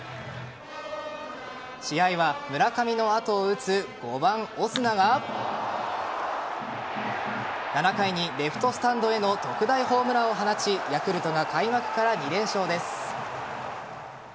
試合は村上の後を打つ５番・オスナが７回にレフトスタンドへの特大ホームランを放ちヤクルトが開幕から２連勝です。